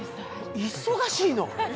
忙しいの。